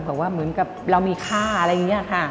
เพราะเรามีค่าอะไรอย่างนี้ค่ะ